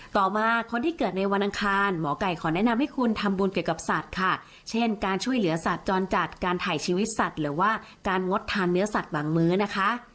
ต่อมาคนที่เกิดในวันอังคารหมอไก่ขอแนะนำให้คุณทำบุญเกี่ยวกับสัตว์ค่ะเช่นการช่วยเหลือสัตว์จรจัดการถ่ายชีวิตสัตว์หรือว่าการงดทานเนื้อสัตว์บางมื้อนะคะ